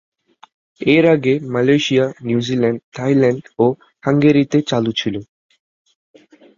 এর আগে Malaysia, New Zealand, Thailand ও হাঙ্গেরিতে চালু ছিল।